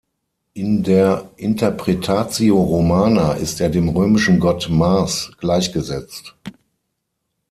In der Interpretatio Romana ist er dem römischen Gott Mars gleichgesetzt.